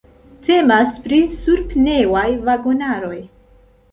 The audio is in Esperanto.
Temas pri sur-pneŭaj vagonaroj.